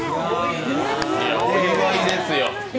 お祝いですよ。